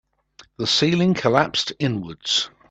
The ceiling collapsed inwards.